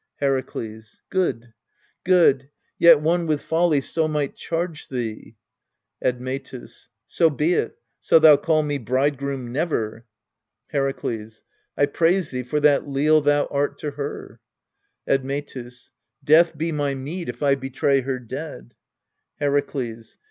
Herakles. Good good yet one with folly so might charge thee. Admetus. So be it, so thou call me bridegroom never. Herakles. I praise thee for that leal thou art to her. Admetus. Death be my meed, if I betray her dead. Herakles.